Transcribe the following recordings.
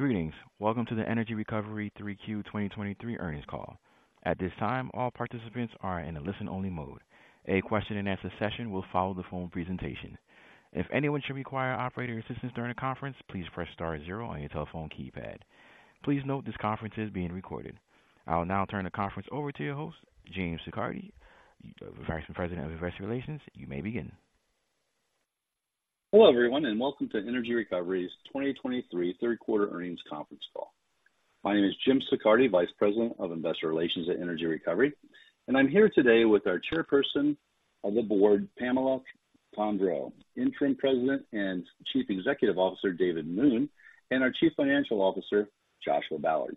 Greetings. Welcome to the Energy Recovery 3Q 2023 earnings call. At this time, all participants are in a listen-only mode. A question-and-answer session will follow the phone presentation. If anyone should require operator assistance during the conference, please press star zero on your telephone keypad. Please note this conference is being recorded. I will now turn the conference over to your host, James Siccardi, Vice President of Investor Relations. You may begin. Hello, everyone, and welcome to Energy Recovery's 2023 third quarter earnings conference call. My name is Jim Siccardi, Vice President of Investor Relations at Energy Recovery, and I'm here today with our Chairperson of the Board, Pamela Tondreau, Interim President and Chief Executive Officer, David Moon, and our Chief Financial Officer, Joshua Ballard.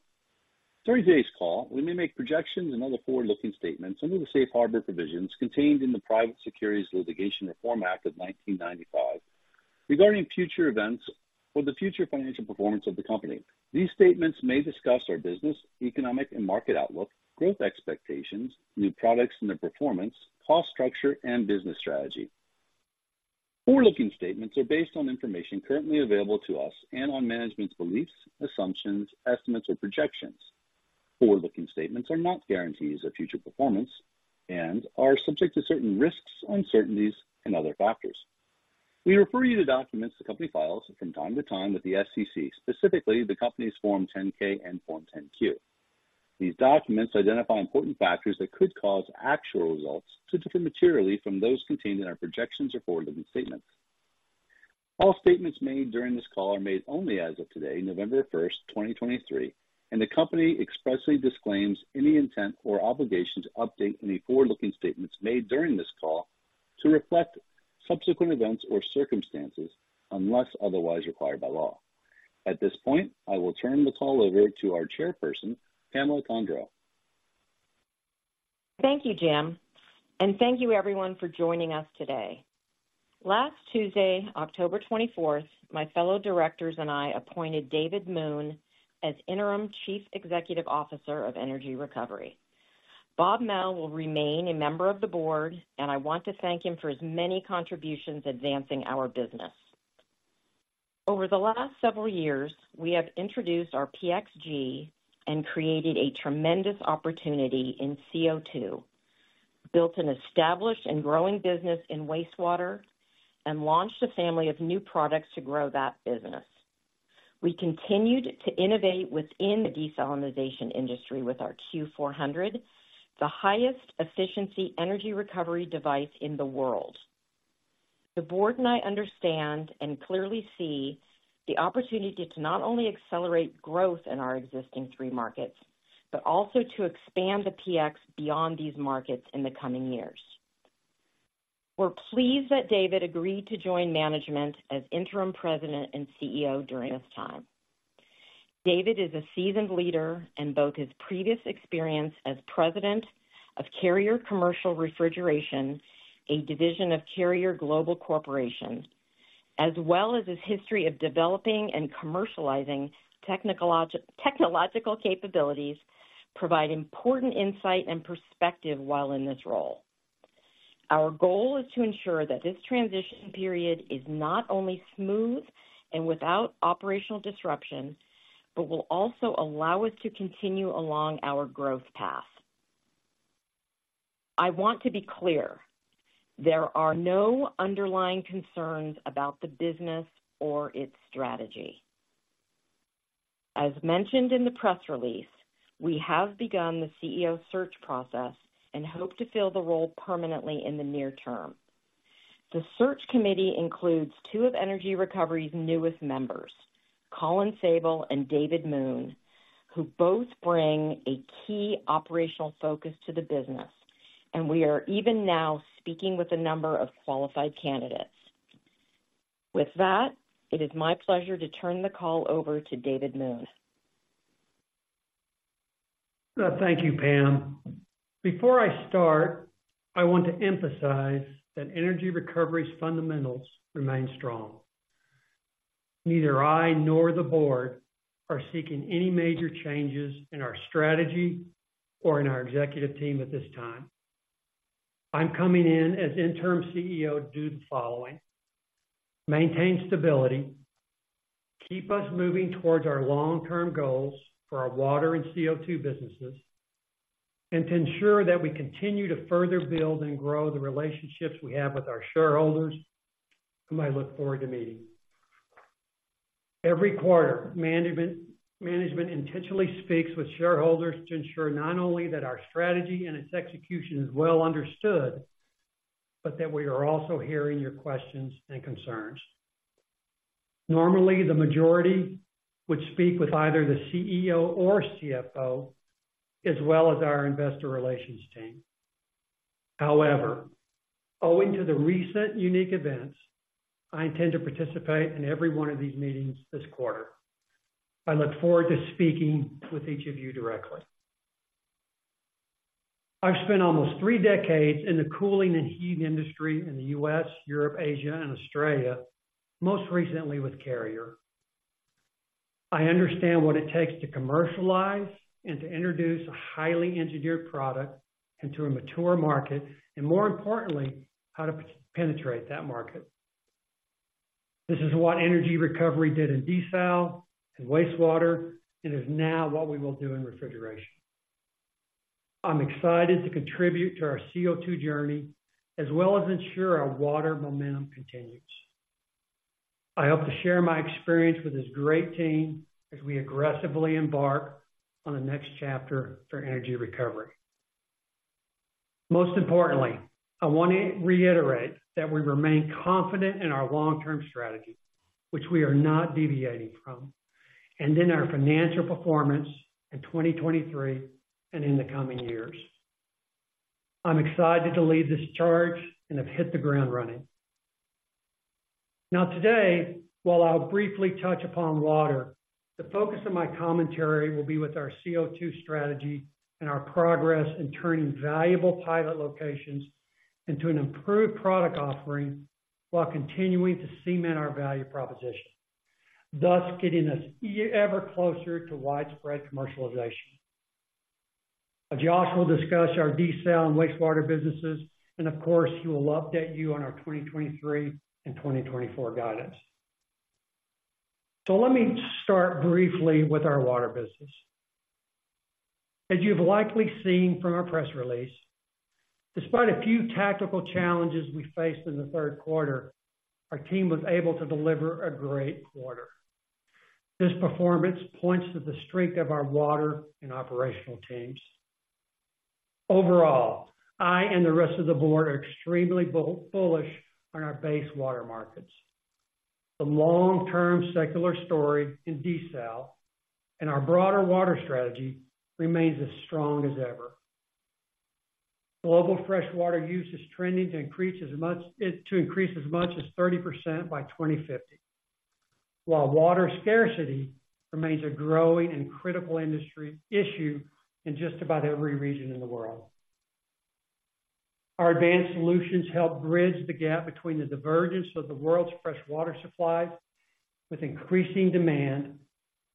During today's call, we may make projections and other forward-looking statements under the safe harbor provisions contained in the Private Securities Litigation Reform Act of 1995 regarding future events or the future financial performance of the company. These statements may discuss our business, economic and market outlook, growth expectations, new products and their performance, cost structure, and business strategy. Forward-looking statements are based on information currently available to us and on management's beliefs, assumptions, estimates, or projections. Forward-looking statements are not guarantees of future performance and are subject to certain risks, uncertainties, and other factors. We refer you to documents the company files from time to time with the SEC, specifically the company's Form 10-K and Form 10-Q. These documents identify important factors that could cause actual results to differ materially from those contained in our projections or forward-looking statements. All statements made during this call are made only as of today, November 1, 2023, and the company expressly disclaims any intent or obligation to update any forward-looking statements made during this call to reflect subsequent events or circumstances, unless otherwise required by law. At this point, I will turn the call over to our Chairperson, Pamela Tondreau. Thank you, Jim, and thank you everyone for joining us today. Last Tuesday, October 24, my fellow directors and I appointed David Moon as Interim Chief Executive Officer of Energy Recovery. Bob Mao will remain a member of the board, and I want to thank him for his many contributions advancing our business. Over the last several years, we have introduced our PXG and created a tremendous opportunity in CO2, built an established and growing business in wastewater, and launched a family of new products to grow that business. We continued to innovate within the desalination industry with our Q400, the highest efficiency energy recovery device in the world. The board and I understand and clearly see the opportunity to not only accelerate growth in our existing three markets, but also to expand the PX beyond these markets in the coming years. We're pleased that David agreed to join management as Interim President and CEO during this time. David is a seasoned leader, and both his previous experience as President of Carrier Commercial Refrigeration, a division of Carrier Global Corporation, as well as his history of developing and commercializing technological capabilities, provide important insight and perspective while in this role. Our goal is to ensure that this transition period is not only smooth and without operational disruptions, but will also allow us to continue along our growth path. I want to be clear, there are no underlying concerns about the business or its strategy. As mentioned in the press release, we have begun the CEO search process and hope to fill the role permanently in the near term. The search committee includes two of Energy Recovery's newest members, Colin Sabol and David Moon, who both bring a key operational focus to the business, and we are even now speaking with a number of qualified candidates. With that, it is my pleasure to turn the call over to David Moon. Thank you, Pam. Before I start, I want to emphasize that Energy Recovery's fundamentals remain strong. Neither I nor the board are seeking any major changes in our strategy or in our executive team at this time. I'm coming in as interim CEO to do the following: maintain stability, keep us moving towards our long-term goals for our water and CO2 businesses, and to ensure that we continue to further build and grow the relationships we have with our shareholders, whom I look forward to meeting. Every quarter, management intentionally speaks with shareholders to ensure not only that our strategy and its execution is well understood, but that we are also hearing your questions and concerns. Normally, the majority would speak with either the CEO or CFO, as well as our investor relations team. However, owing to the recent unique events, I intend to participate in every one of these meetings this quarter. I look forward to speaking with each of you directly. I've spent almost three decades in the cooling and heating industry in the U.S., Europe, Asia, and Australia, most recently with Carrier. I understand what it takes to commercialize and to introduce a highly engineered product into a mature market, and more importantly, how to penetrate that market. This is what Energy Recovery did in desal, in wastewater, and is now what we will do in refrigeration. I'm excited to contribute to our CO₂ journey, as well as ensure our water momentum continues. I hope to share my experience with this great team as we aggressively embark on the next chapter for Energy Recovery. Most importantly, I wanna reiterate that we remain confident in our long-term strategy, which we are not deviating from, and in our financial performance in 2023 and in the coming years. I'm excited to lead this charge and have hit the ground running. Now, today, while I'll briefly touch upon water, the focus of my commentary will be with our CO₂ strategy and our progress in turning valuable pilot locations into an improved product offering, while continuing to cement our value proposition. Thus, getting us ever closer to widespread commercialization. Josh will discuss our desal and wastewater businesses, and of course, he will update you on our 2023 and 2024 guidance. So let me start briefly with our water business. As you've likely seen from our press release, despite a few tactical challenges we faced in the third quarter, our team was able to deliver a great quarter. This performance points to the strength of our water and operational teams. Overall, I and the rest of the board are extremely bullish on our base water markets. The long-term secular story in desal and our broader water strategy remains as strong as ever. Global freshwater use is trending to increase as much as 30% by 2050, while water scarcity remains a growing and critical industry issue in just about every region in the world. Our advanced solutions help bridge the gap between the divergence of the world's freshwater supply, with increasing demand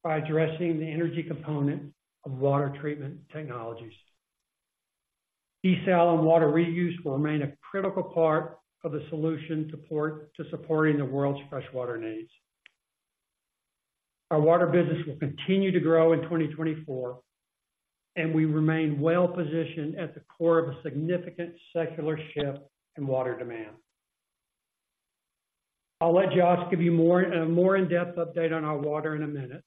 by addressing the energy component of water treatment technologies. Desal and water reuse will remain a critical part of the solution supporting the world's freshwater needs. Our water business will continue to grow in 2024, and we remain well-positioned at the core of a significant secular shift in water demand. I'll let Josh give you more more in-depth update on our water in a minute,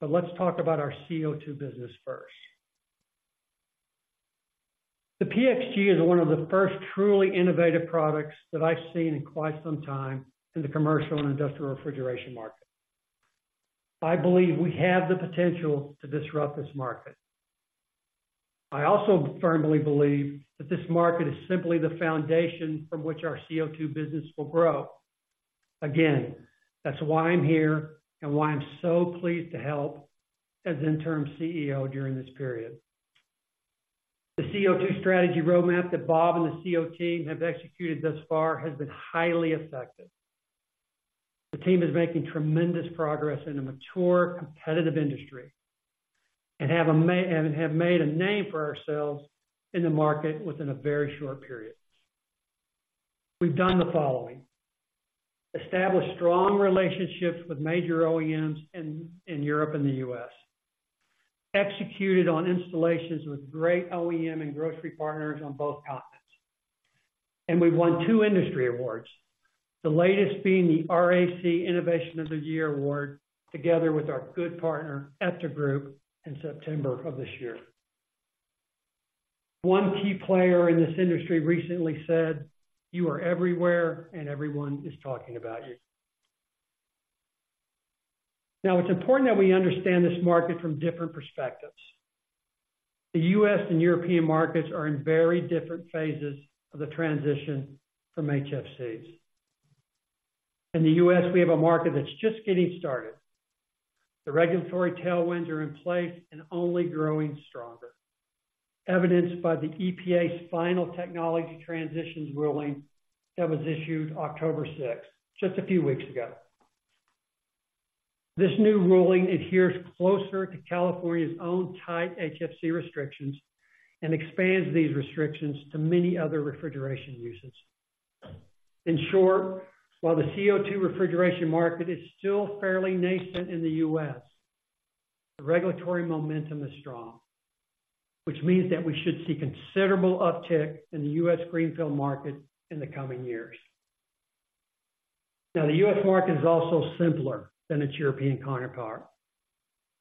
but let's talk about our CO₂ business first. PXG is one of the first truly innovative products that I've seen in quite some time in the commercial and industrial refrigeration market. I believe we have the potential to disrupt this market. I also firmly believe that this market is simply the foundation from which our CO₂ business will grow. Again, that's why I'm here and why I'm so pleased to help as interim CEO during this period. The CO₂ strategy roadmap that Bob and the CO team have executed thus far has been highly effective. The team is making tremendous progress in a mature, competitive industry, and have made a name for ourselves in the market within a very short period. We've done the following: established strong relationships with major OEMs in Europe and the U.S., executed on installations with great OEM and grocery partners on both continents, and we've won two industry awards. The latest being the RAC Innovation of the Year award, together with our good partner, Epta Group, in September of this year. One key player in this industry recently said, "You are everywhere, and everyone is talking about you." Now, it's important that we understand this market from different perspectives. The U.S. and European markets are in very different phases of the transition from HFCs. In the U.S., we have a market that's just getting started. The regulatory tailwinds are in place and only growing stronger, evidenced by the EPA's final technology transitions ruling that was issued October sixth, just a few weeks ago. This new ruling adheres closer to California's own tight HFC restrictions and expands these restrictions to many other refrigeration uses. In short, while the CO₂ refrigeration market is still fairly nascent in the U.S., the regulatory momentum is strong, which means that we should see considerable uptick in the U.S. greenfield market in the coming years. Now, the U.S. market is also simpler than its European counterpart.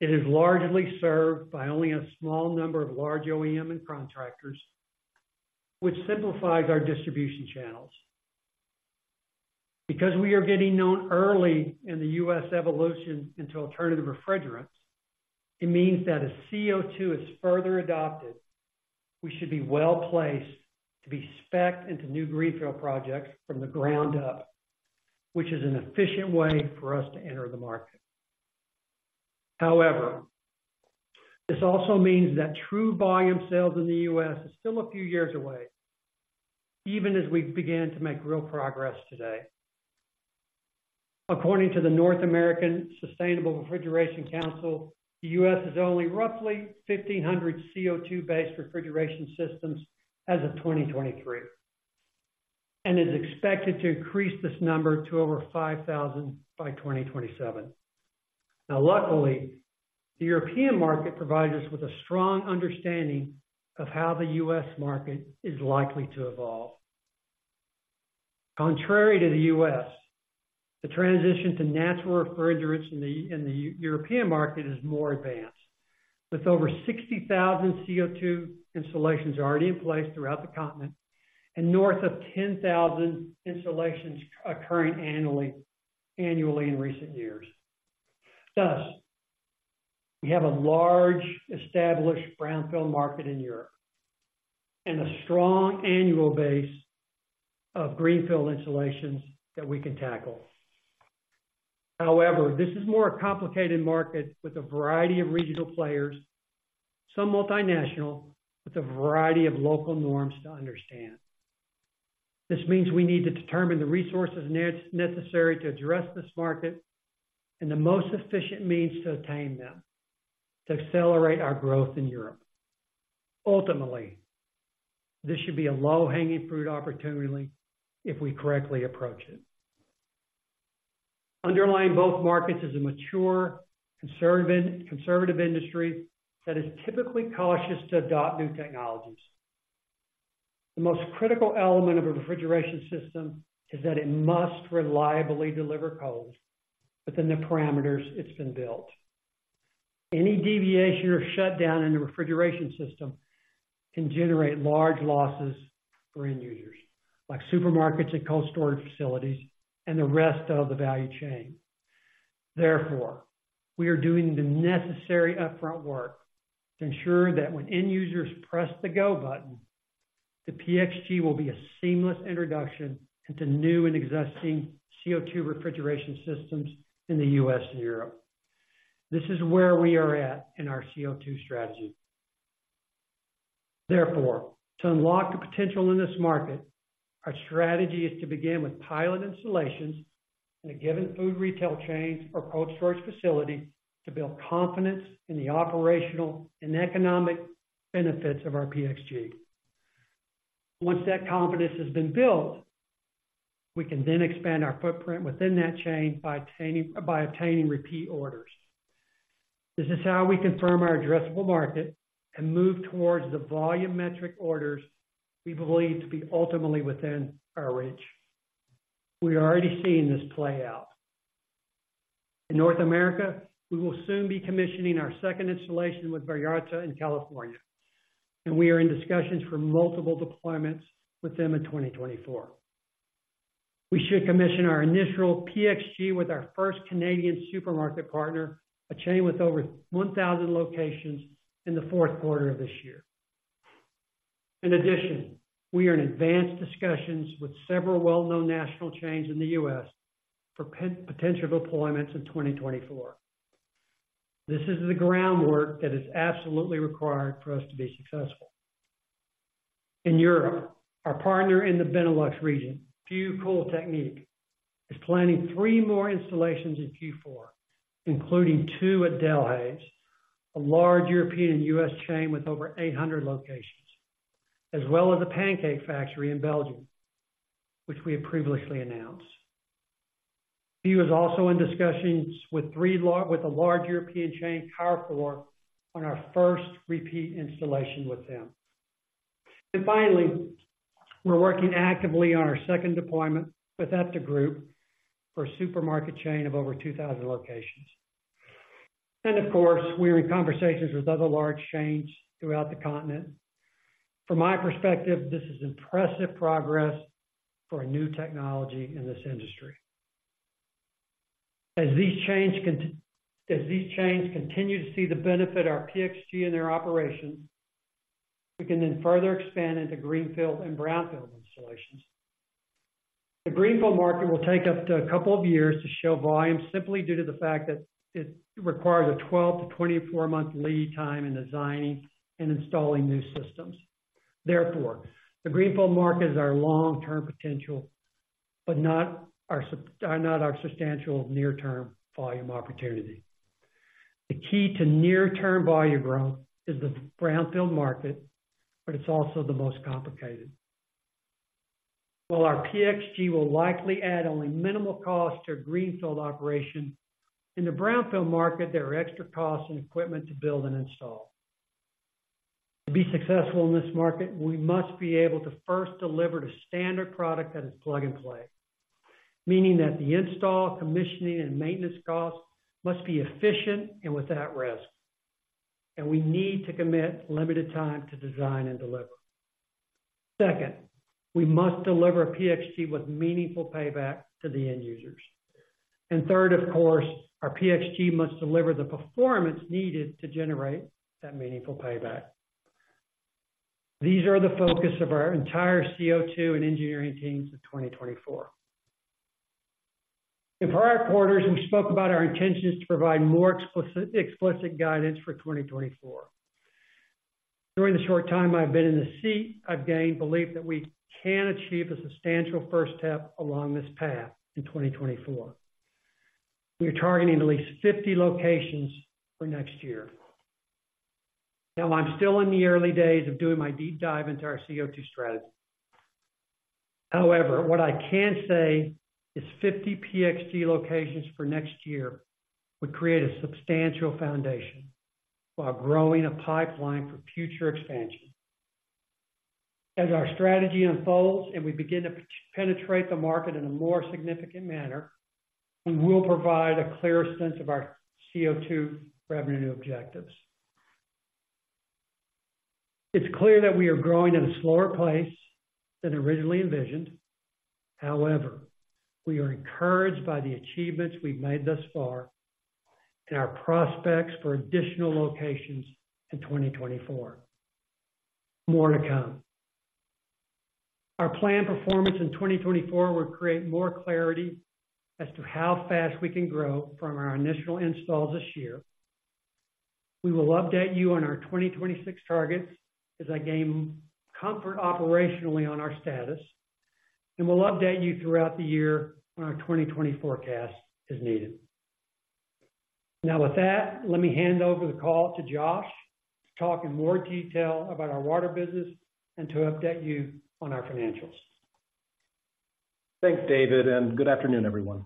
It is largely served by only a small number of large OEM and contractors, which simplifies our distribution channels. Because we are getting known early in the US evolution into alternative refrigerants, it means that as CO₂ is further adopted, we should be well-placed to be spec'd into new greenfield projects from the ground up, which is an efficient way for us to enter the market. However, this also means that true volume sales in the US is still a few years away, even as we begin to make real progress today. According to the North American Sustainable Refrigeration Council, the US has only roughly 1,500 CO₂-based refrigeration systems as of 2023, and is expected to increase this number to over 5,000 by 2027. Now, luckily, the European market provides us with a strong understanding of how the US market is likely to evolve. Contrary to the US, the transition to natural refrigerants in the European market is more advanced, with over 60,000 CO₂ installations already in place throughout the continent and north of 10,000 installations occurring annually in recent years. Thus, we have a large established brownfield market in Europe and a strong annual base of greenfield installations that we can tackle. However, this is more a complicated market with a variety of regional players, some multinational, with a variety of local norms to understand. This means we need to determine the resources necessary to address this market and the most efficient means to attain them, to accelerate our growth in Europe. Ultimately, this should be a low-hanging fruit opportunity if we correctly approach it. Underlying both markets is a mature, conservative industry that is typically cautious to adopt new technologies. The most critical element of a refrigeration system is that it must reliably deliver cold within the parameters it's been built. Any deviation or shutdown in the refrigeration system can generate large losses for end users, like supermarkets and cold storage facilities, and the rest of the value chain. Therefore, we are doing the necessary upfront work to ensure that when end users press the go button, the PXG will be a seamless introduction into new and existing CO₂ refrigeration systems in the U.S. and Europe. This is where we are at in our CO₂ strategy. Therefore, to unlock the potential in this market, our strategy is to begin with pilot installations in a given food retail chains or cold storage facility to build confidence in the operational and economic benefits of our PXG. Once that confidence has been built, we can then expand our footprint within that chain by attaining, by obtaining repeat orders. This is how we confirm our addressable market and move towards the volume metric orders we believe to be ultimately within our reach. We are already seeing this play out. In North America, we will soon be commissioning our second installation with Vallarta in California, and we are in discussions for multiple deployments with them in 2024. We should commission our initial PXG with our first Canadian supermarket partner, a chain with over 1,000 locations, in the fourth quarter of this year. In addition, we are in advanced discussions with several well-known national chains in the U.S. for potential deployments in 2024. This is the groundwork that is absolutely required for us to be successful. In Europe, our partner in the Benelux region, Fieuw Koeltechniek NV, is planning three more installations in Q4, including two at Delhaize, a large European and U.S. chain with over 800 locations, as well as the Pancake Factory in Belgium, which we have previously announced. He was also in discussions with a large European chain, Carrefour, on our first repeat installation with them. Finally, we're working actively on our second deployment with Epta Group for a supermarket chain of over 2,000 locations. Of course, we're in conversations with other large chains throughout the continent. From my perspective, this is impressive progress for a new technology in this industry. As these chains continue to see the benefit of our PXG in their operations, we can then further expand into greenfield and brownfield installations. The greenfield market will take up to a couple of years to show volume, simply due to the fact that it requires a 12- to 24-month lead time in designing and installing new systems. Therefore, the greenfield market is our long-term potential, but are not our substantial near-term volume opportunity. The key to near-term volume growth is the brownfield market, but it's also the most complicated. While our PXG will likely add only minimal cost to a greenfield operation, in the brownfield market, there are extra costs and equipment to build and install. To be successful in this market, we must be able to first deliver the standard product that is plug and play, meaning that the install, commissioning, and maintenance costs must be efficient and without risk, and we need to commit limited time to design and deliver. Second, we must deliver a PXG with meaningful payback to the end users. Third, of course, our PXG must deliver the performance needed to generate that meaningful payback. These are the focus of our entire CO₂ and engineering teams of 2024. In prior quarters, we spoke about our intentions to provide more explicit, explicit guidance for 2024. During the short time I've been in this seat, I've gained belief that we can achieve a substantial first step along this path in 2024... We are targeting at least 50 locations for next year. Now, I'm still in the early days of doing my deep dive into our CO₂ strategy. However, what I can say is 50 PXG locations for next year would create a substantial foundation while growing a pipeline for future expansion. As our strategy unfolds and we begin to penetrate the market in a more significant manner, we will provide a clearer sense of our CO₂ revenue objectives. It's clear that we are growing at a slower pace than originally envisioned. However, we are encouraged by the achievements we've made thus far and our prospects for additional locations in 2024. More to come. Our planned performance in 2024 will create more clarity as to how fast we can grow from our initial installs this year. We will update you on our 2026 targets as I gain comfort operationally on our status, and we'll update you throughout the year on our 2024 forecast as needed. Now, with that, let me hand over the call to Josh to talk in more detail about our water business and to update you on our financials. Thanks, David, and good afternoon, everyone.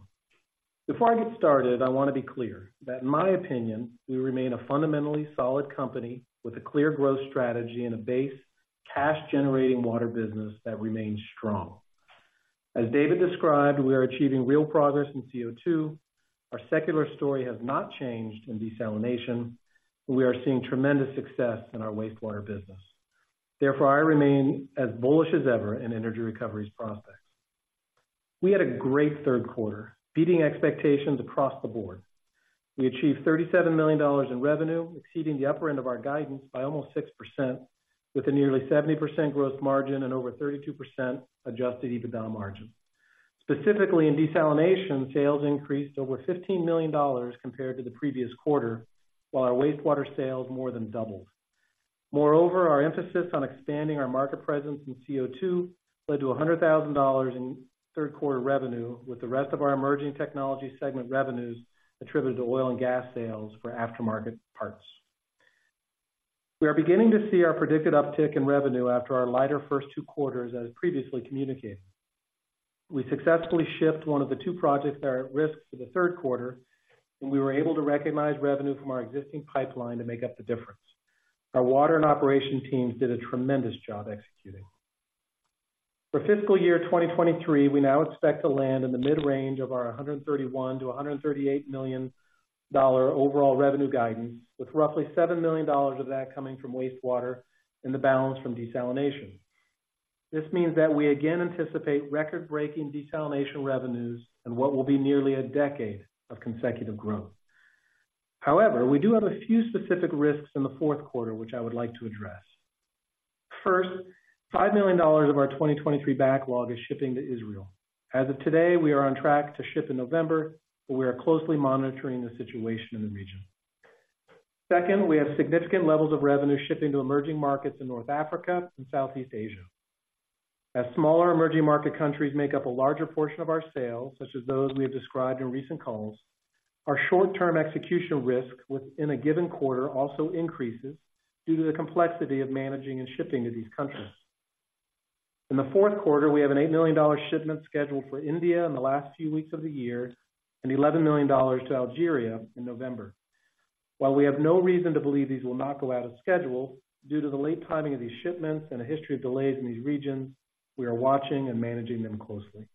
Before I get started, I want to be clear that in my opinion, we remain a fundamentally solid company with a clear growth strategy and a base cash-generating water business that remains strong. As David described, we are achieving real progress in CO₂. Our secular story has not changed in desalination, and we are seeing tremendous success in our wastewater business. Therefore, I remain as bullish as ever in Energy Recovery's prospects. We had a great third quarter, beating expectations across the board. We achieved $37 million in revenue, exceeding the upper end of our guidance by almost 6%, with a nearly 70% gross margin and over 32% Adjusted EBITDA margin. Specifically, in desalination, sales increased over $15 million compared to the previous quarter, while our wastewater sales more than doubled. Moreover, our emphasis on expanding our market presence in CO₂ led to $100,000 in third quarter revenue, with the rest of our emerging technology segment revenues attributed to oil and gas sales for aftermarket parts. We are beginning to see our predicted uptick in revenue after our lighter first two quarters, as previously communicated. We successfully shipped one of the two projects that are at risk for the third quarter, and we were able to recognize revenue from our existing pipeline to make up the difference. Our water and operation teams did a tremendous job executing. For fiscal year 2023, we now expect to land in the mid-range of our $131 million-$138 million overall revenue guidance, with roughly $7 million of that coming from wastewater and the balance from desalination. This means that we again anticipate record-breaking desalination revenues in what will be nearly a decade of consecutive growth. However, we do have a few specific risks in the fourth quarter, which I would like to address. First, $5 million of our 2023 backlog is shipping to Israel. As of today, we are on track to ship in November, but we are closely monitoring the situation in the region. Second, we have significant levels of revenue shipping to emerging markets in North Africa and Southeast Asia. As smaller emerging market countries make up a larger portion of our sales, such as those we have described in recent calls, our short-term execution risk within a given quarter also increases due to the complexity of managing and shipping to these countries. In the fourth quarter, we have an $8 million shipment scheduled for India in the last few weeks of the year and $11 million to Algeria in November. While we have no reason to believe these will not go out as scheduled, due to the late timing of these shipments and a history of delays in these regions, we are watching and managing them closely.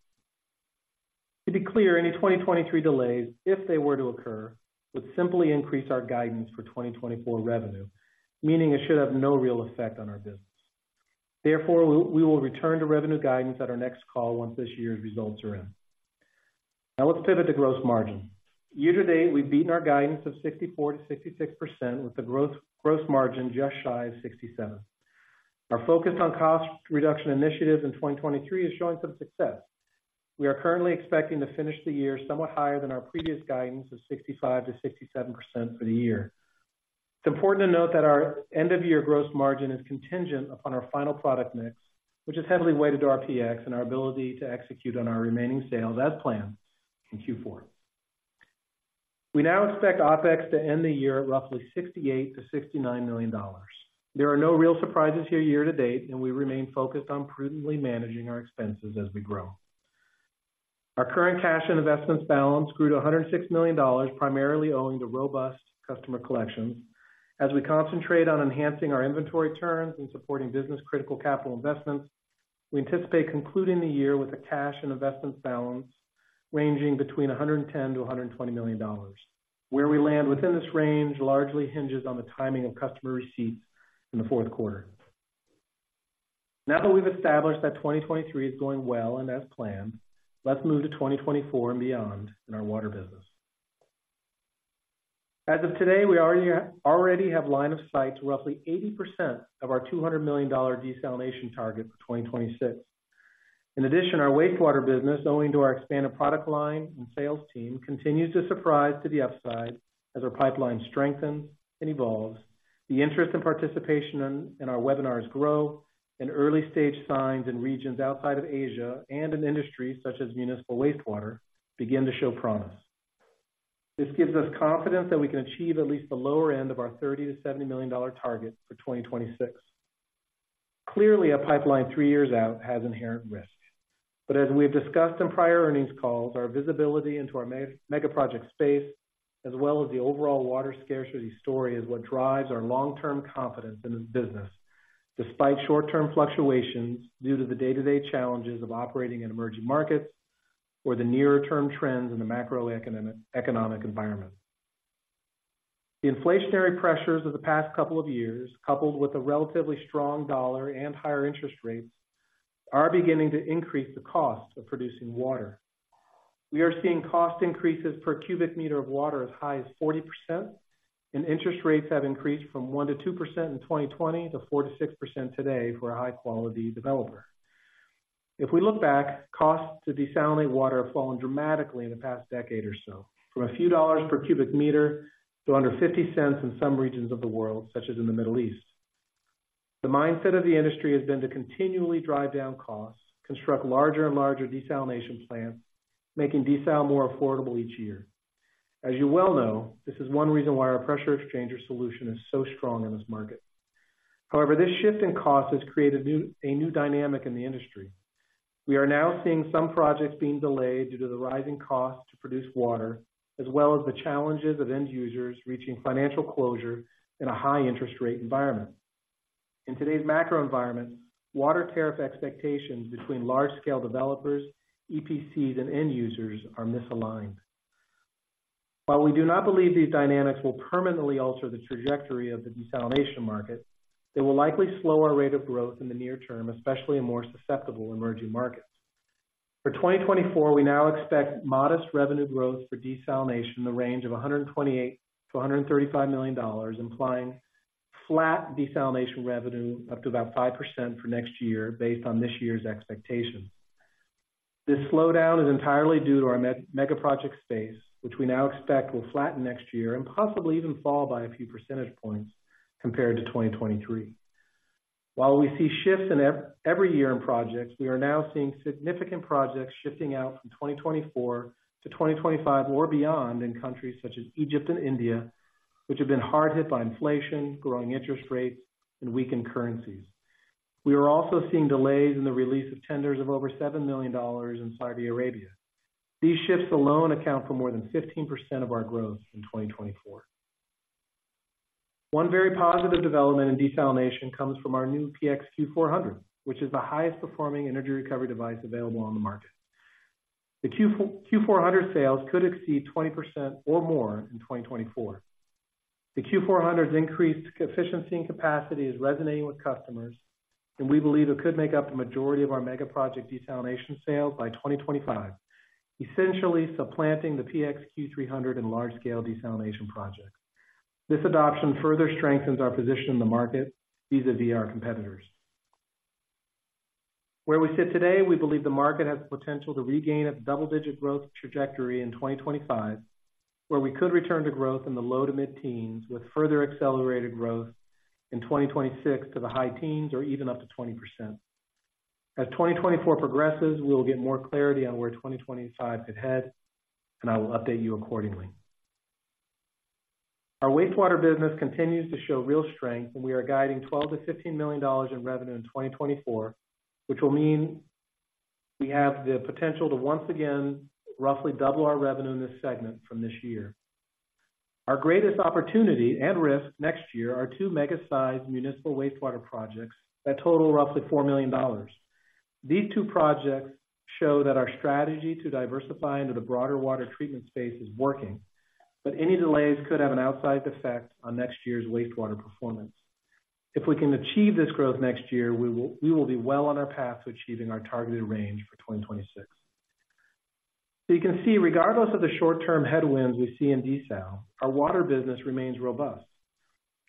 To be clear, any 2023 delays, if they were to occur, would simply increase our guidance for 2024 revenue, meaning it should have no real effect on our business. Therefore, we will return to revenue guidance at our next call once this year's results are in. Now, let's pivot to gross margin. Year to date, we've beaten our guidance of 64%-66%, with the gross margin just shy of 67%. Our focus on cost reduction initiatives in 2023 is showing some success. We are currently expecting to finish the year somewhat higher than our previous guidance of 65%-67% for the year. It's important to note that our end-of-year gross margin is contingent upon our final product mix, which is heavily weighted to our PX and our ability to execute on our remaining sales as planned in Q4. We now expect OpEx to end the year at roughly $68 million-$69 million. There are no real surprises here year to date, and we remain focused on prudently managing our expenses as we grow. Our current cash and investments balance grew to $106 million, primarily owing to robust customer collections. As we concentrate on enhancing our inventory turns and supporting business-critical capital investments, we anticipate concluding the year with a cash and investment balance ranging between $110 million-$120 million. Where we land within this range largely hinges on the timing of customer receipts in the fourth quarter. Now that we've established that 2023 is going well and as planned, let's move to 2024 and beyond in our water business. As of today, we already have line of sight to roughly 80% of our $200 million desalination target for 2026. In addition, our wastewater business, owing to our expanded product line and sales team, continues to surprise to the upside as our pipeline strengthens and evolves.... The interest and participation in our webinars grow, and early-stage signs in regions outside of Asia and in industries such as municipal wastewater begin to show promise. This gives us confidence that we can achieve at least the lower end of our $30-$70 million target for 2026. Clearly, a pipeline three years out has inherent risks, but as we have discussed in prior earnings calls, our visibility into our megaproject space, as well as the overall water scarcity story, is what drives our long-term confidence in this business, despite short-term fluctuations due to the day-to-day challenges of operating in emerging markets or the nearer-term trends in the macroeconomic environment. The inflationary pressures of the past couple of years, coupled with a relatively strong dollar and higher interest rates, are beginning to increase the cost of producing water. We are seeing cost increases per cubic meter of water as high as 40%, and interest rates have increased from 1%-2% in 2020 to 4%-6% today for a high-quality developer. If we look back, costs to desalinate water have fallen dramatically in the past decade or so, from a few $ per cubic meter to under $0.50 in some regions of the world, such as in the Middle East. The mindset of the industry has been to continually drive down costs, construct larger and larger desalination plants, making desal more affordable each year. As you well know, this is one reason why our pressure exchanger solution is so strong in this market. However, this shift in cost has created new, a new dynamic in the industry. We are now seeing some projects being delayed due to the rising cost to produce water, as well as the challenges of end users reaching financial closure in a high interest rate environment. In today's macro environment, water tariff expectations between large-scale developers, EPCs, and end users are misaligned. While we do not believe these dynamics will permanently alter the trajectory of the desalination market, they will likely slow our rate of growth in the near term, especially in more susceptible emerging markets. For 2024, we now expect modest revenue growth for desalination in the range of $128 million-$135 million, implying flat desalination revenue up to about 5% for next year based on this year's expectations. This slowdown is entirely due to our megaproject space, which we now expect will flatten next year and possibly even fall by a few percentage points compared to 2023. While we see shifts in every year in projects, we are now seeing significant projects shifting out from 2024 to 2025 or beyond, in countries such as Egypt and India, which have been hard hit by inflation, growing interest rates, and weakened currencies. We are also seeing delays in the release of tenders of over $7 million in Saudi Arabia. These shifts alone account for more than 15% of our growth in 2024. One very positive development in desalination comes from our new PX Q400, which is the highest performing energy recovery device available on the market. The Q400 sales could exceed 20% or more in 2024. The Q400's increased efficiency and capacity is resonating with customers, and we believe it could make up the majority of our megaproject desalination sales by 2025, essentially supplanting the PX Q300 in large-scale desalination projects. This adoption further strengthens our position in the market vis-à-vis our competitors. Where we sit today, we believe the market has the potential to regain its double-digit growth trajectory in 2025, where we could return to growth in the low- to mid-teens, with further accelerated growth in 2026 to the high teens or even up to 20%. As 2024 progresses, we will get more clarity on where 2025 could head, and I will update you accordingly. Our wastewater business continues to show real strength, and we are guiding $12 million-$15 million in revenue in 2024, which will mean we have the potential to once again roughly double our revenue in this segment from this year. Our greatest opportunity and risk next year are two mega-sized municipal wastewater projects that total roughly $4 million. These two projects show that our strategy to diversify into the broader water treatment space is working, but any delays could have an outsized effect on next year's wastewater performance. If we can achieve this growth next year, we will, we will be well on our path to achieving our targeted range for 2026. So you can see, regardless of the short-term headwinds we see in desal, our water business remains robust.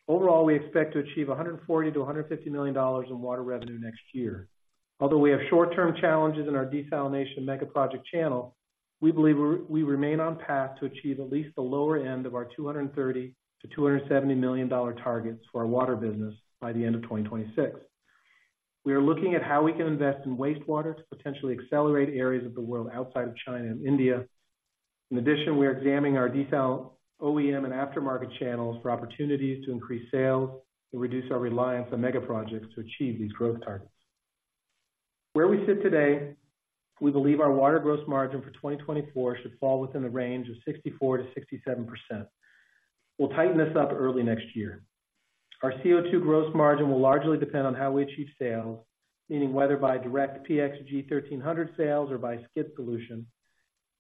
Overall, we expect to achieve $140 million-$150 million in water revenue next year. Although we have short-term challenges in our desalination megaproject channel, we believe we're, we remain on path to achieve at least the lower end of our $230 million-$270 million targets for our water business by the end of 2026. We are looking at how we can invest in wastewater to potentially accelerate areas of the world outside of China and India. In addition, we are examining our desal OEM and aftermarket channels for opportunities to increase sales and reduce our reliance on megaprojects to achieve these growth targets. Where we sit today, we believe our water gross margin for 2024 should fall within a range of 64%-67%. We'll tighten this up early next year. Our CO2 gross margin will largely depend on how we achieve sales, meaning whether by direct PXG1300 sales or by OEM solutions,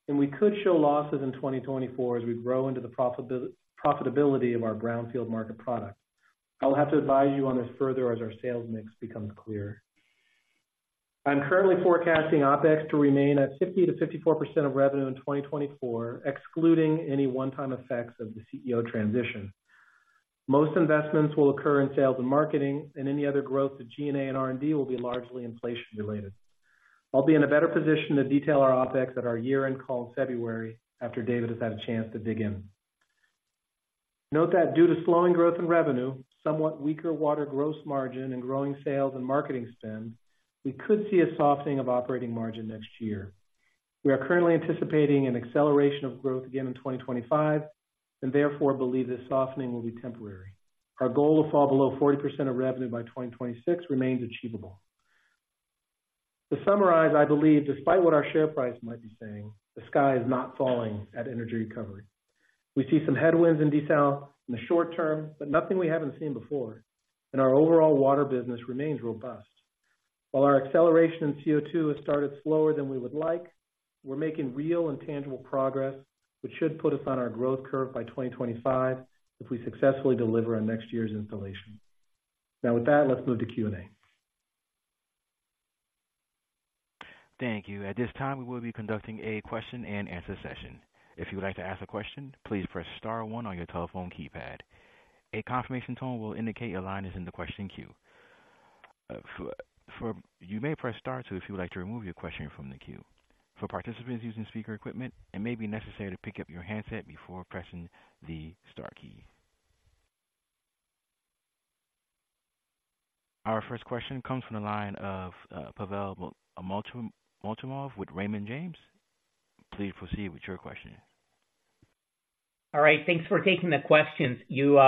and we could show losses in 2024 as we grow into the profitability of our brownfield market product. I'll have to advise you on this further as our sales mix becomes clearer. I'm currently forecasting OpEx to remain at 50%-54% of revenue in 2024, excluding any one-time effects of the CEO transition. Most investments will occur in sales and marketing, and any other growth to G&A and R&D will be largely inflation-related. I'll be in a better position to detail our OpEx at our year-end call in February after David has had a chance to dig in. Note that due to slowing growth in revenue, somewhat weaker water gross margin, and growing sales and marketing spend, we could see a softening of operating margin next year. We are currently anticipating an acceleration of growth again in 2025, and therefore believe this softening will be temporary. Our goal to fall below 40% of revenue by 2026 remains achievable. To summarize, I believe despite what our share price might be saying, the sky is not falling at Energy Recovery. We see some headwinds in detail in the short term, but nothing we haven't seen before, and our overall water business remains robust. While our acceleration in CO2 has started slower than we would like, we're making real and tangible progress, which should put us on our growth curve by 2025 if we successfully deliver on next year's installation. Now with that, let's move to Q&A. Thank you. At this time, we will be conducting a question-and-answer session. If you would like to ask a question, please press star one on your telephone keypad. A confirmation tone will indicate your line is in the question queue. You may press star two if you would like to remove your question from the queue. For participants using speaker equipment, it may be necessary to pick up your handset before pressing the star key. Our first question comes from the line of Pavel Molchanov with Raymond James. Please proceed with your question. All right, thanks for taking the questions. You,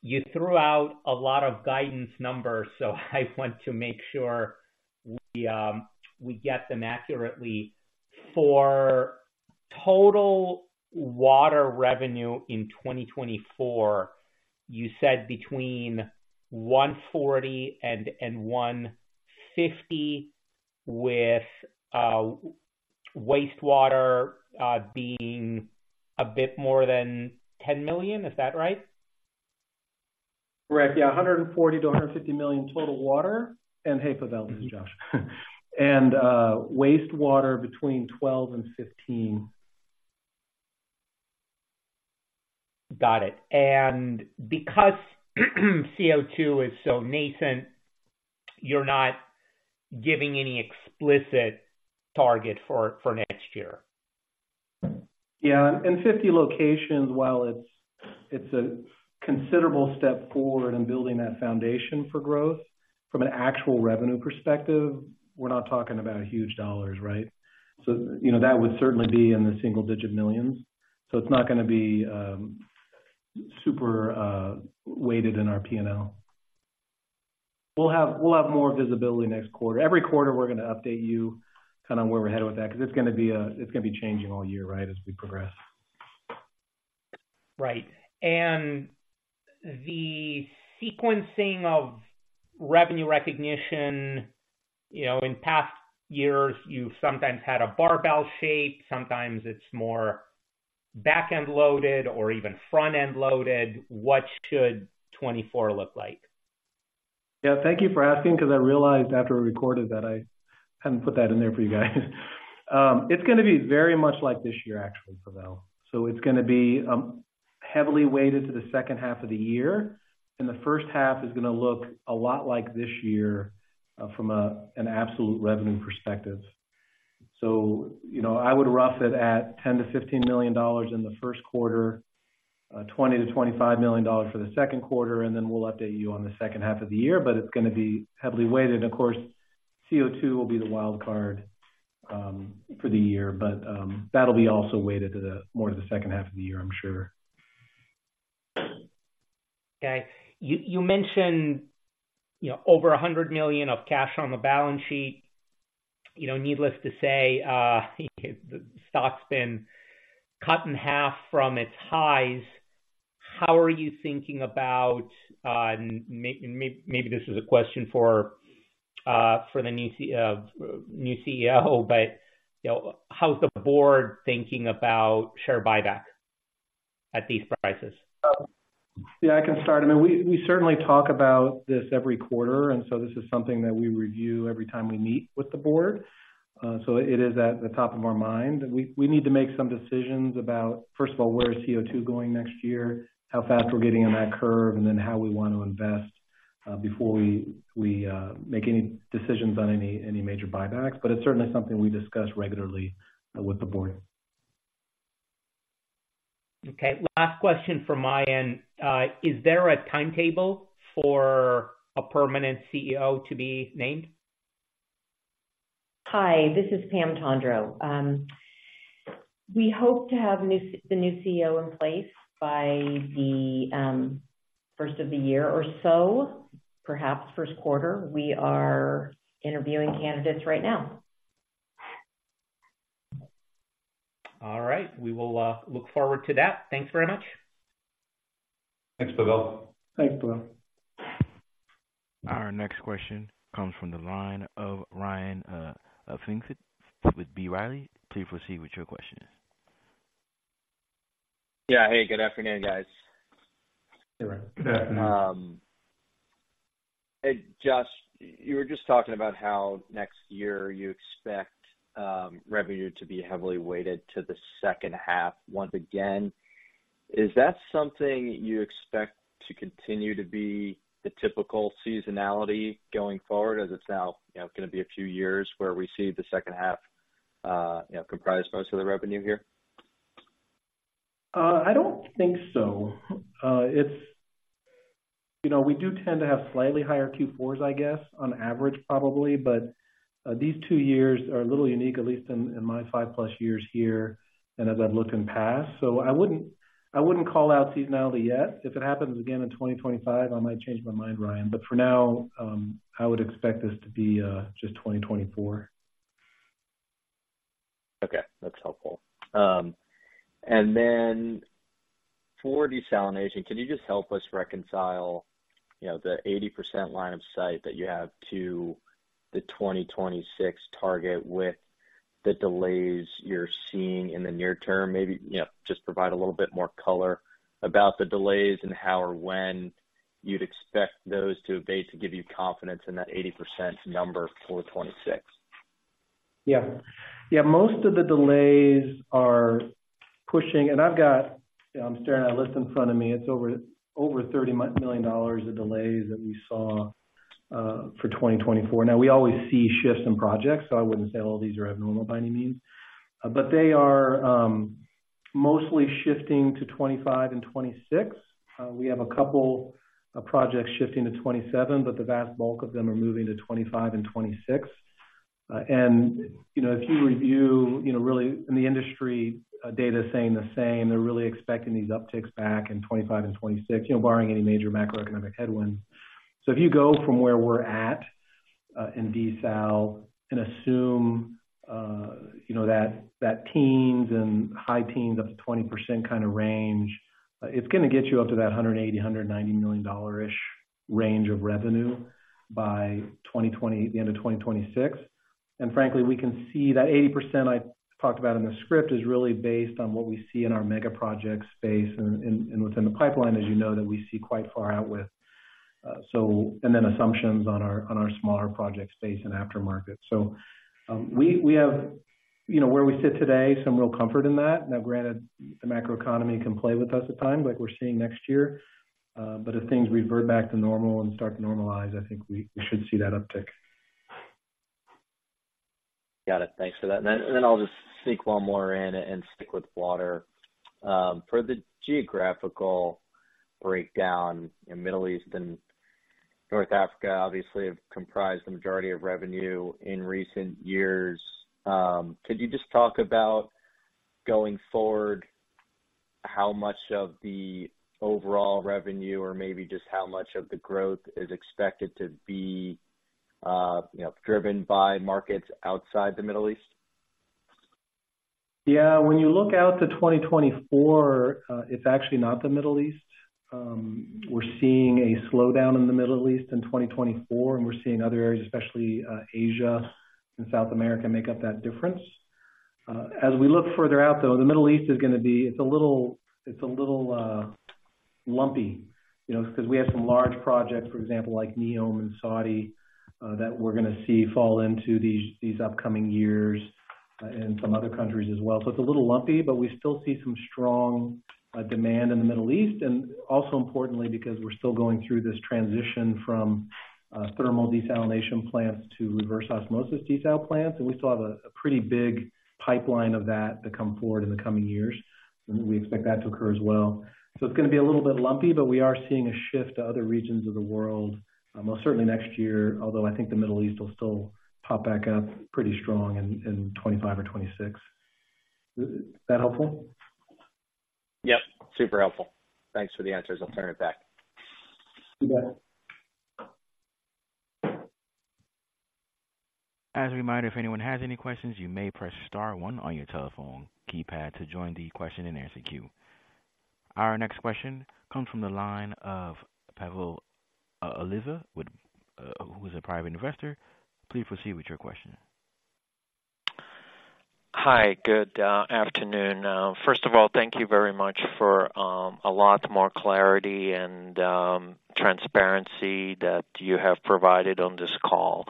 you threw out a lot of guidance numbers, so I want to make sure we, we get them accurately. For total water revenue in 2024, you said between $140 million and $150 million, with wastewater being a bit more than $10 million. Is that right? Correct. Yeah, $140 million-$150 million total water. And hey, Pavel, this is Josh. And, wastewater between $12 million and $15 million. Got it. And because CO2 is so nascent, you're not giving any explicit target for next year? Yeah, and 50 locations, while it's a considerable step forward in building that foundation for growth, from an actual revenue perspective, we're not talking about huge dollars, right? So, you know, that would certainly be in the single-digit millions, so it's not gonna be super weighted in our P&L. We'll have more visibility next quarter. Every quarter, we're gonna update you kind of where we're headed with that, 'cause it's gonna be changing all year, right, as we progress. Right. And the sequencing of revenue recognition, you know, in past years, you've sometimes had a barbell shape, sometimes it's more back-end loaded or even front-end loaded. What should 2024 look like? Yeah, thank you for asking, 'cause I realized after we recorded that I hadn't put that in there for you guys. It's gonna be very much like this year, actually, Pavel. So it's gonna be heavily weighted to the second half of the year, and the first half is gonna look a lot like this year from an absolute revenue perspective. So, you know, I would rough it at $10-$15 million in the first quarter, $20-$25 million for the second quarter, and then we'll update you on the second half of the year, but it's gonna be heavily weighted. Of course, CO2 will be the wild card for the year, but that'll be also weighted more to the second half of the year, I'm sure. Okay. You mentioned, you know, over $100 million of cash on the balance sheet. You know, needless to say, the stock's been cut in half from its highs. How are you thinking about, and maybe this is a question for the new CEO, but, you know, how's the board thinking about share buyback at these prices? Yeah, I can start. I mean, we certainly talk about this every quarter, and so this is something that we review every time we meet with the board. So it is at the top of our mind. We need to make some decisions about, first of all, where is CO2 going next year, how fast we're getting on that curve, and then how we want to invest, before we make any decisions on any major buybacks. But it's certainly something we discuss regularly with the board. Okay, last question from my end. Is there a timetable for a permanent CEO to be named? Hi, this is Pamela Tondreau. We hope to have the new CEO in place by the first of the year or so, perhaps first quarter. We are interviewing candidates right now. All right. We will look forward to that. Thanks very much. Thanks, Pavel. Thanks, Pavel. Our next question comes from the line of Ryan Pfingst with B. Riley. Please proceed with your question. Yeah. Hey, good afternoon, guys. Hey, Ryan. Good afternoon. Hey, Josh, you were just talking about how next year you expect revenue to be heavily weighted to the second half once again. Is that something you expect to continue to be the typical seasonality going forward, as it's now, you know, going to be a few years where we see the second half, you know, comprise most of the revenue here? I don't think so. It's, you know, we do tend to have slightly higher Q4s, I guess, on average, probably, but these two years are a little unique, at least in my 5+ years here and as I've looked in past. So I wouldn't call out seasonality yet. If it happens again in 2025, I might change my mind, Ryan, but for now, I would expect this to be just 2024. Okay, that's helpful. And then for desalination, can you just help us reconcile, you know, the 80% line of sight that you have to the 2026 target with the delays you're seeing in the near term? Maybe, you know, just provide a little bit more color about the delays and how or when you'd expect those to abate, to give you confidence in that 80% number for 2026. Yeah. Yeah, most of the delays are pushing... I've got, you know, I'm staring at a list in front of me. It's over $30 million of delays that we saw for 2024. Now we always see shifts in projects, so I wouldn't say all these are abnormal by any means, but they are mostly shifting to 2025 and 2026. We have a couple of projects shifting to 2027, but the vast bulk of them are moving to 2025 and 2026. And, you know, if you review, you know, really in the industry, data is saying the same, they're really expecting these upticks back in 2025 and 2026, you know, barring any major macroeconomic headwinds. So if you go from where we're at in desal and assume you know that that teens and high teens up to 20% kind of range, it's going to get you up to that $180-$190 million-ish range of revenue by the end of 2026. And frankly, we can see that 80% I talked about in the script is really based on what we see in our mega project space and within the pipeline, as you know, that we see quite far out with. So and then assumptions on our on our smaller project space and aftermarket. So we have you know where we sit today some real comfort in that. Now, granted, the macroeconomy can play with us at times, like we're seeing next year, but if things revert back to normal and start to normalize, I think we, we should see that uptick. Got it. Thanks for that. And then, and then I'll just seek one more in and stick with water. For the geographical breakdown in Middle East and North Africa, obviously have comprised the majority of revenue in recent years. Could you just talk about, going forward, how much of the overall revenue or maybe just how much of the growth is expected to be, you know, driven by markets outside the Middle East? Yeah, when you look out to 2024, it's actually not the Middle East. We're seeing a slowdown in the Middle East in 2024, and we're seeing other areas, especially Asia and South America, make up that difference. As we look further out, though, the Middle East is going to be... It's a little, it's a little lumpy, you know, because we have some large projects, for example, like Neom and Saudi, that we're going to see fall into these upcoming years, and some other countries as well. So it's a little lumpy, but we still see some strong demand in the Middle East. Also importantly, because we're still going through this transition from thermal desalination plants to reverse osmosis desal plants, and we still have a pretty big pipeline of that to come forward in the coming years, and we expect that to occur as well. It's going to be a little bit lumpy, but we are seeing a shift to other regions of the world, most certainly next year, although I think the Middle East will still pop back up pretty strong in 2025 or 2026. Is that helpful? Yep, super helpful. Thanks for the answers. I'll turn it back. You bet. As a reminder, if anyone has any questions, you may press star one on your telephone keypad to join the question and answer queue. Our next question comes from the line of Pavel, Oliva, with, who is a private investor. Please proceed with your question. Hi, good afternoon. First of all, thank you very much for a lot more clarity and transparency that you have provided on this call.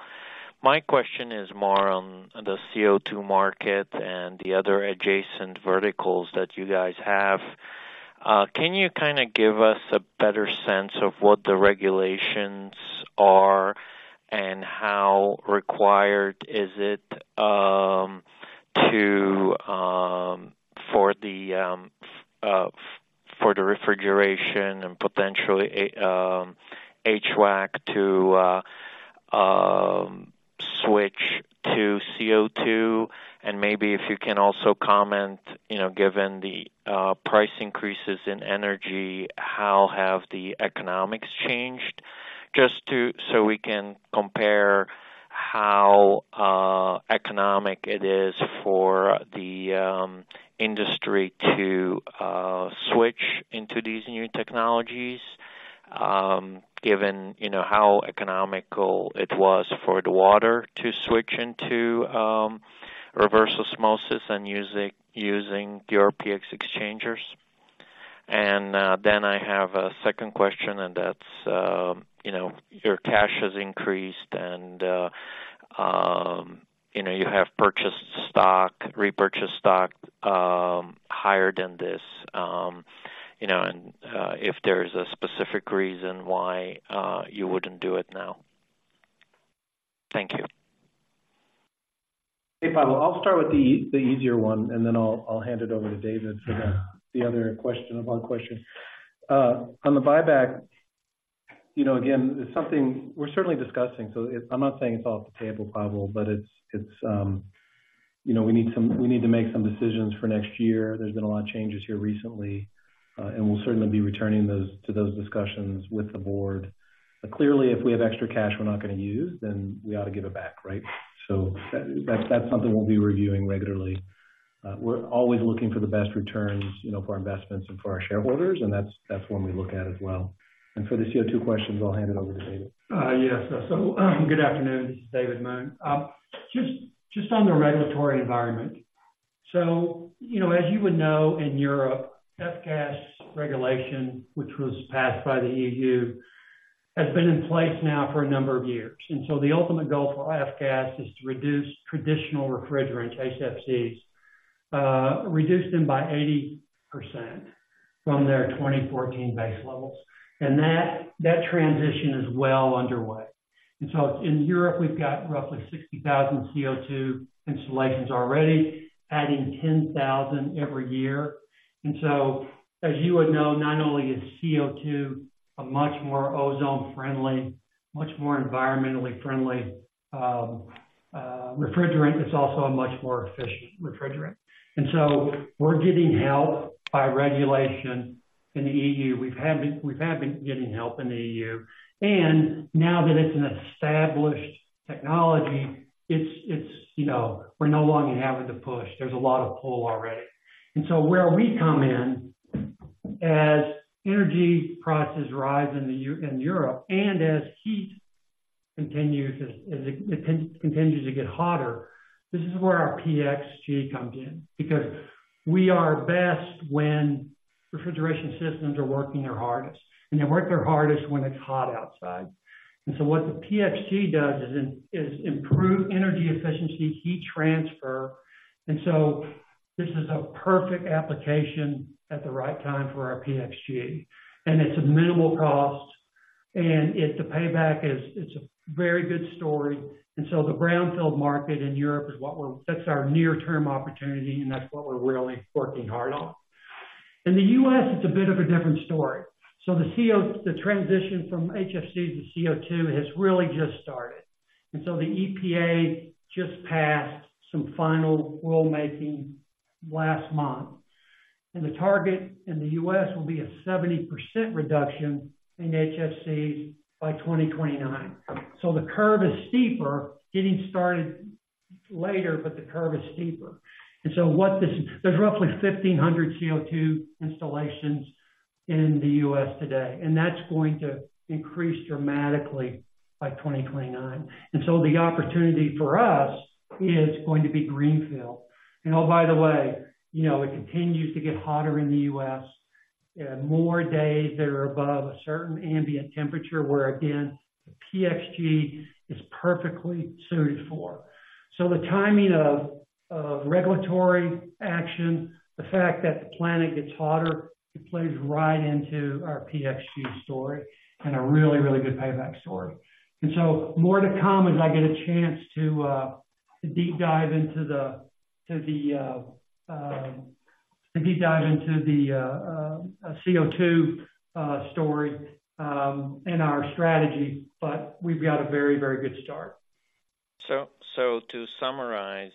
My question is more on the CO2 market and the other adjacent verticals that you guys have. Can you kind of give us a better sense of what the regulations are, and how required is it to for the refrigeration and potentially HVAC to switch to CO2? And maybe if you can also comment, you know, given the price increases in energy, how have the economics changed? Just so we can compare how economic it is for the industry to switch into these new technologies, given, you know, how economical it was for the water to switch into reverse osmosis and using your PX exchangers. Then I have a second question, and that's, you know, your cash has increased and, you know, you have purchased stock, repurchased stock higher than this, you know, and if there's a specific reason why you wouldn't do it now? Thank you. Hey, Pavel, I'll start with the easier one, and then I'll hand it over to David for the other question. On the buyback, you know, again, it's something we're certainly discussing, so it's, I'm not saying it's off the table, Pavel, but it's, you know, we need to make some decisions for next year. There's been a lot of changes here recently, and we'll certainly be returning to those discussions with the board. But clearly, if we have extra cash we're not gonna use, then we ought to give it back, right? So that's something we'll be reviewing regularly. We're always looking for the best returns, you know, for our investments and for our shareholders, and that's one we look at as well. For the CO2 questions, I'll hand it over to David. Yes. So, good afternoon, this is David Moon. Just on the regulatory environment. So, you know, as you would know, in Europe, F-gas Regulation, which was passed by the EU, has been in place now for a number of years. And so the ultimate goal for F-gas is to reduce traditional refrigerants, HFCs, reduce them by 80% from their 2014 base levels. And that transition is well underway. And so in Europe, we've got roughly 60,000 CO2 installations already, adding 10,000 every year. And so, as you would know, not only is CO2 a much more ozone-friendly, much more environmentally friendly, refrigerant, it's also a much more efficient refrigerant. And so we're getting help by regulation in the EU. We've been getting help in the EU, and now that it's an established technology, it's, you know, we're no longer having to push. There's a lot of pull already. And so where we come in, as energy prices rise in the EU in Europe, and as heat continues, as it continues to get hotter, this is where our PXG comes in. Because we are best when refrigeration systems are working their hardest, and they work their hardest when it's hot outside. And so what the PXG does is improve energy efficiency, heat transfer, and so this is a perfect application at the right time for our PXG. And it's a minimal cost, and it... The payback is, it's a very good story. So the brownfield market in Europe is what we're—that's our near-term opportunity, and that's what we're really working hard on. In the U.S., it's a bit of a different story. So the CO2 the transition from HFC to CO2 has really just started, and so the EPA just passed some final rulemaking last month, and the target in the U.S. will be a 70% reduction in HFCs by 2029. So the curve is steeper, getting started later, but the curve is steeper. And so what this—there's roughly 1,500 CO2 installations in the U.S. today, and that's going to increase dramatically by 2029. And so the opportunity for us is going to be greenfield. And oh, by the way, you know, it continues to get hotter in the U.S. More days that are above a certain ambient temperature, where, again, the PXG is perfectly suited for. So the timing of regulatory action, the fact that the planet gets hotter, it plays right into our PXG story and a really, really good payback story. And so more to come as I get a chance to deep dive into the CO2 story and our strategy, but we've got a very, very good start. So, to summarize,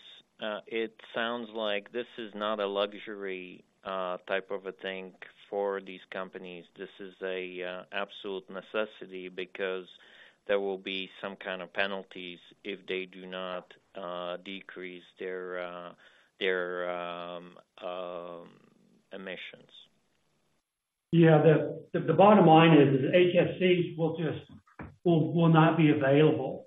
it sounds like this is not a luxury type of a thing for these companies. This is a absolute necessity because there will be some kind of penalties if they do not decrease their emissions. Yeah, the bottom line is HFCs will just, will not be available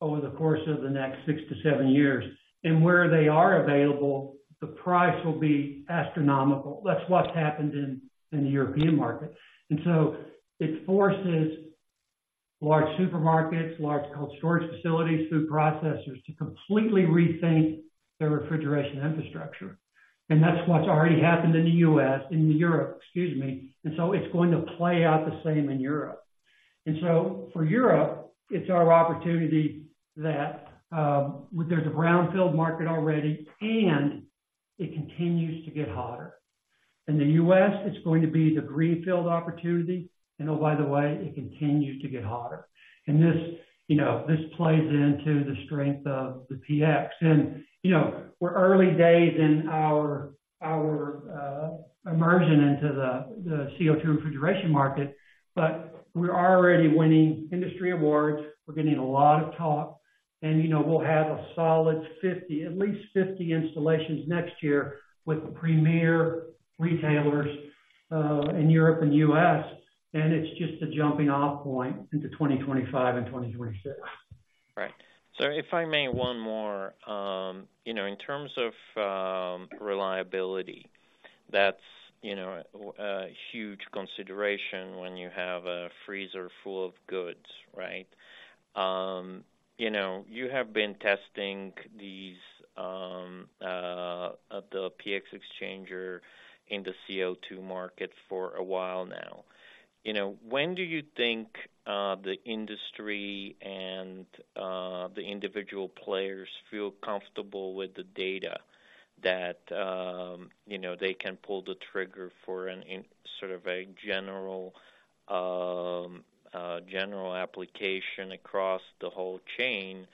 over the course of the next 6-7 years. And where they are available, the price will be astronomical. That's what's happened in the European market. And so it forces large supermarkets, large cold storage facilities, food processors to completely rethink their refrigeration infrastructure. And that's what's already happened in the U.S. in Europe, excuse me. And so it's going to play out the same in Europe. And so for Europe, it's our opportunity that there's a brownfield market already, and it continues to get hotter. In the U.S., it's going to be the greenfield opportunity, and oh, by the way, it continues to get hotter. And this, you know, this plays into the strength of the PX. You know, we're early days in our immersion into the CO2 refrigeration market, but we're already winning industry awards. We're getting a lot of talk, and, you know, we'll have a solid 50, at least 50 installations next year with the premier retailers in Europe and U.S., and it's just a jumping-off point into 2025 and 2026. Right. So if I may, one more. You know, in terms of, reliability-... That's, you know, a huge consideration when you have a freezer full of goods, right? You know, you have been testing these, the PX Exchanger in the CO2 market for a while now. You know, when do you think the industry and the individual players feel comfortable with the data that, you know, they can pull the trigger for sort of a general application across the whole chain,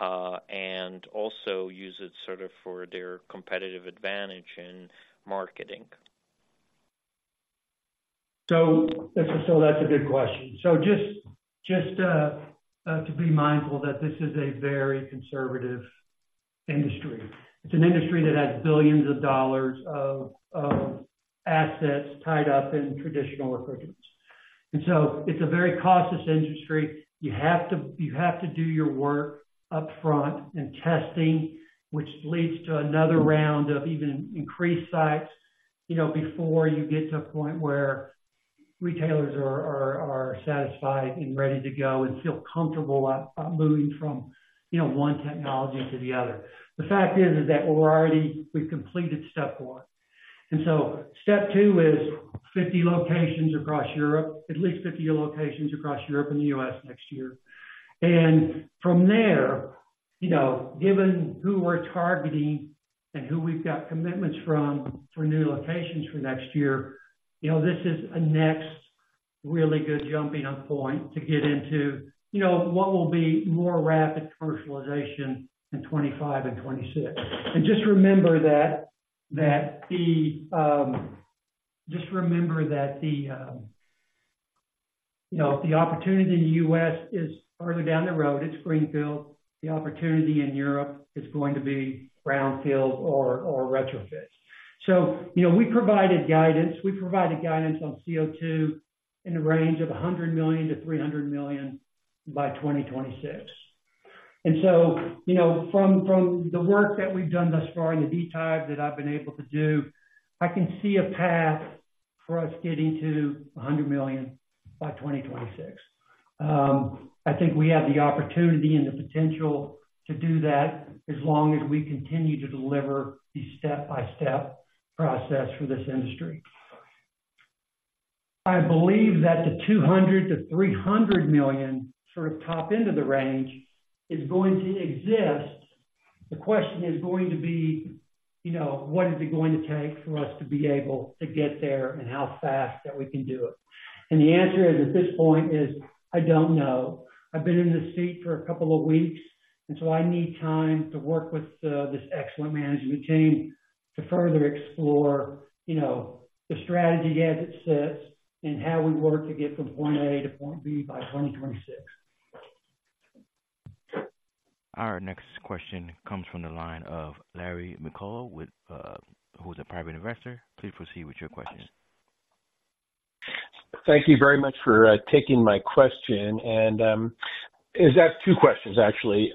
and also use it sort of for their competitive advantage in marketing? So that's a good question. So just to be mindful that this is a very conservative industry. It's an industry that has billions of dollars of assets tied up in traditional refrigerants. And so it's a very cautious industry. You have to do your work upfront and testing, which leads to another round of even increased sites, you know, before you get to a point where retailers are satisfied and ready to go and feel comfortable moving from, you know, one technology to the other. The fact is that we're already. We've completed step one, and so step two is 50 locations across Europe, at least 50 locations across Europe and the U.S. next year. From there, you know, given who we're targeting and who we've got commitments from for new locations for next year, you know, this is a next really good jumping-off point to get into, you know, what will be more rapid commercialization in 25 and 26. Just remember that the, you know, the opportunity in the US is further down the road. It's greenfield. The opportunity in Europe is going to be brownfield or retrofit. So, you know, we provided guidance on CO2 in the range of $100 million-$300 million by 2026. And so, you know, from the work that we've done thus far in the detail that I've been able to do, I can see a path for us getting to $100 million by 2026. I think we have the opportunity and the potential to do that as long as we continue to deliver the step-by-step process for this industry. I believe that the $200 million-$300 million, sort of, top end of the range is going to exist. The question is going to be, you know, what is it going to take for us to be able to get there and how fast that we can do it? And the answer is, at this point, is I don't know. I've been in this seat for a couple of weeks, and so I need time to work with this excellent management team to further explore, you know, the strategy as it sits and how we work to get from point A to point B by 2026. Our next question comes from the line of Larry McCullough with, who is a private investor. Please proceed with your question. Thank you very much for taking my question. It's actually two questions, actually.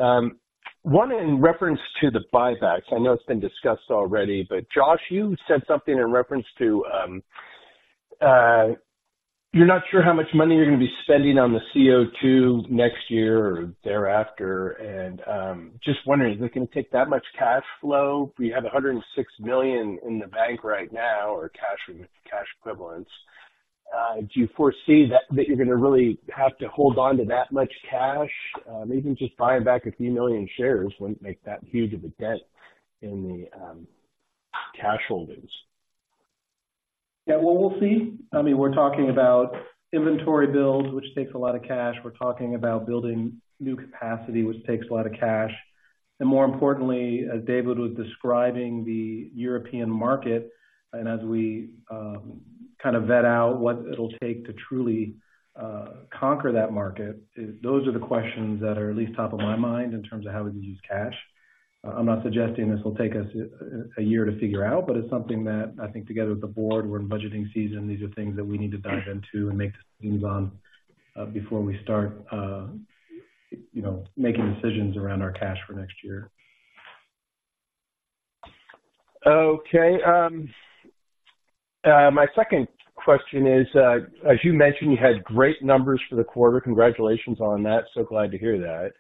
One, in reference to the buybacks. I know it's been discussed already, but Josh, you said something in reference to you're not sure how much money you're going to be spending on the CO2 next year or thereafter. Just wondering, is it going to take that much cash flow? You have $106 million in the bank right now, or cash, cash equivalents. Do you foresee that you're going to really have to hold on to that much cash? Maybe just buying back a few million shares wouldn't make that huge of a dent in the cash holdings. Yeah, well, we'll see. I mean, we're talking about inventory build, which takes a lot of cash. We're talking about building new capacity, which takes a lot of cash. And more importantly, as David was describing the European market, and as we kind of vet out what it'll take to truly conquer that market, is those are the questions that are at least top of my mind in terms of how we use cash. I'm not suggesting this will take us a year to figure out, but it's something that I think together with the board, we're in budgeting season. These are things that we need to dive into and make decisions on before we start you know, making decisions around our cash for next year. Okay, my second question is, as you mentioned, you had great numbers for the quarter. Congratulations on that. So glad to hear that.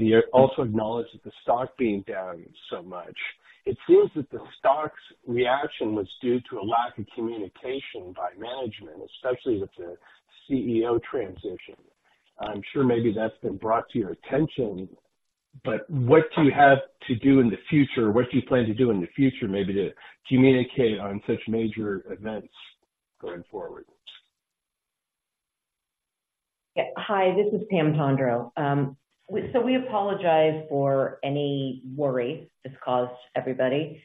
You also acknowledged that the stock being down so much. It seems that the stock's reaction was due to a lack of communication by management, especially with the CEO transition. I'm sure maybe that's been brought to your attention, but what do you have to do in the future? What do you plan to do in the future, maybe to communicate on such major events going forward? Yeah. Hi, this is Pam Tondreau. So we apologize for any worry this caused everybody.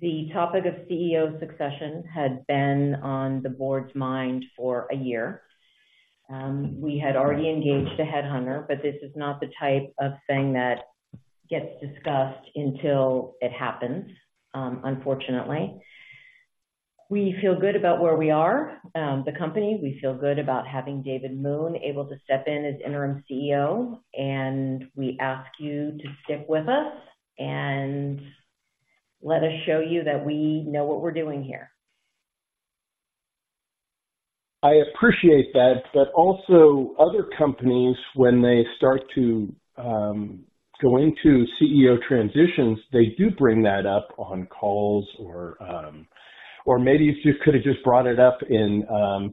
The topic of CEO succession had been on the board's mind for a year. We had already engaged a headhunter, but this is not the type of thing that gets discussed until it happens, unfortunately. We feel good about where we are, the company. We feel good about having David Moon able to step in as interim CEO, and we ask you to stick with us and let us show you that we know what we're doing here. ... I appreciate that. But also other companies, when they start to go into CEO transitions, they do bring that up on calls or, or maybe you just could have just brought it up in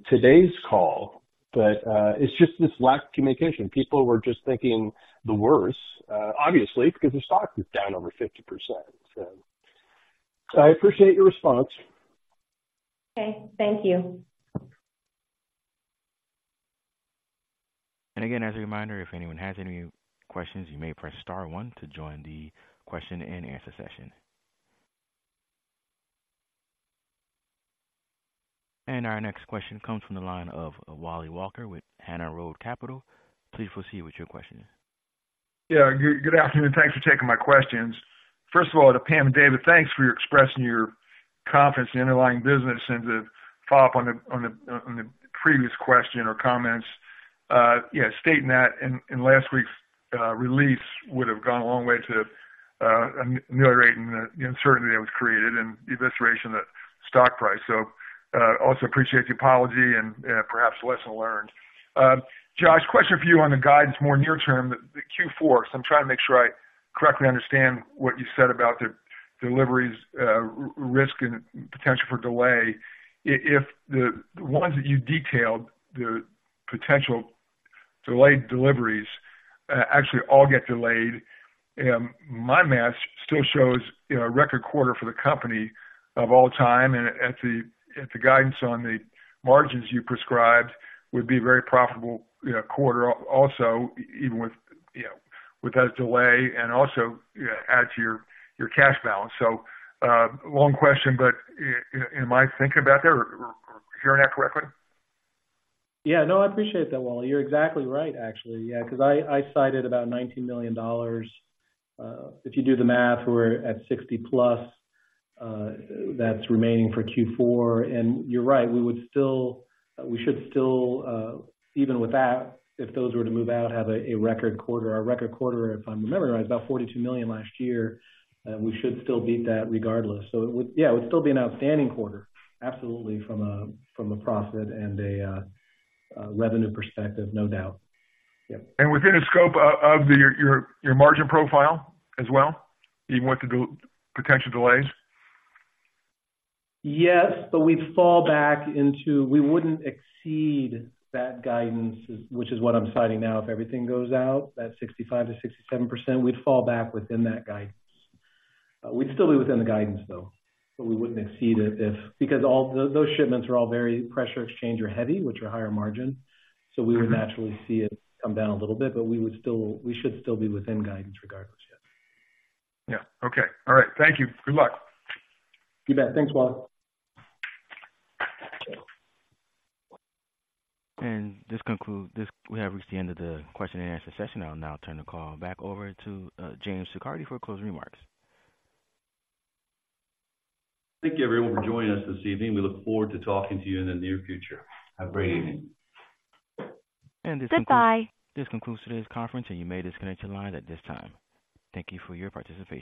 today's call. But, it's just this lack of communication. People were just thinking the worst, obviously, because the stock is down over 50%. So I appreciate your response. Okay, thank you. And again, as a reminder, if anyone has any questions, you may press star one to join the question and answer session. And our next question comes from the line of Wally Walker with Hana Road Capital. Please proceed with your question. Yeah, good afternoon. Thanks for taking my questions. First of all, to Pam and David, thanks for expressing your confidence in the underlying business. And to follow up on the previous question or comments, yeah, stating that in last week's release would have gone a long way to ameliorating the uncertainty that was created and eviscerating the stock price. So, also appreciate the apology and perhaps lesson learned. Josh, question for you on the guidance, more near term, the Q4. So I'm trying to make sure I correctly understand what you said about the deliveries, risk and potential for delay. If the ones that you detailed, the potential delayed deliveries, actually all get delayed, my math still shows, you know, a record quarter for the company of all time, and at the, at the guidance on the margins you prescribed would be very profitable, you know, quarter also, even with, you know, with that delay and also, you know, add to your, your cash balance. So, long question, but am I thinking about that or, or hearing that correctly? Yeah. No, I appreciate that, Wally. You're exactly right, actually. Yeah, because I cited about $19 million. If you do the math, we're at 60+, that's remaining for Q4. And you're right, we would still, we should still, even with that, if those were to move out, have a record quarter. Our record quarter, if I'm remembering right, about $42 million last year. We should still beat that regardless. So it would, yeah, it would still be an outstanding quarter. Absolutely. From a profit and a revenue perspective, no doubt. Yep. Within the scope of your margin profile as well, even with the potential delays? Yes, but we'd fall back into—we wouldn't exceed that guidance, which is what I'm citing now. If everything goes out, that 65%-67%, we'd fall back within that guidance. We'd still be within the guidance, though, but we wouldn't exceed it if... Because all those shipments are all very pressure exchanger or heavy, which are higher margin. So we would naturally see it come down a little bit, but we would still, we should still be within guidance regardless, yes. Yeah. Okay. All right. Thank you. Good luck. You bet. Thanks, Wally. This concludes. We have reached the end of the question and answer session. I'll now turn the call back over to James Siccardi for closing remarks. Thank you, everyone, for joining us this evening. We look forward to talking to you in the near future. Have a great evening. And this con- Goodbye. This concludes today's conference, and you may disconnect your line at this time. Thank you for your participation.